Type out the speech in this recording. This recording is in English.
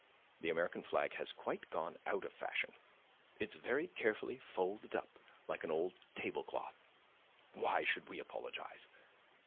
The American flag has quite gone out of fashion; it's very carefully folded up, like an old tablecloth. Why should we apologize?